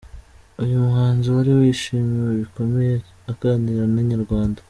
Uyu muhanzi wari wishimiwe bikomeye aganira na Inyarwanda.